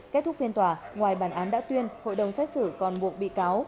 kết thúc phiên tòa ngoài bản án đã tuyên hội đồng xét xử còn buộc bị cáo